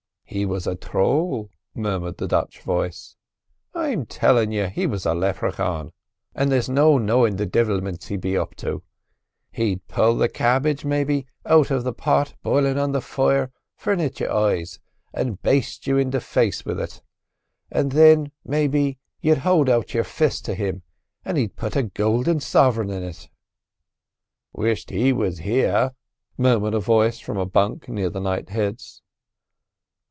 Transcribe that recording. "He was a Troll," murmured the Dutch voice. "I'm tellin' you he was a Leprachaun, and there's no knowin' the divilments he'd be up to. He'd pull the cabbidge, maybe, out of the pot boilin' on the fire forenint your eyes, and baste you in the face with it; and thin, maybe, you'd hold out your fist to him, and he'd put a goulden soverin in it." "Wisht he was here!" murmured a voice from a bunk near the knightheads.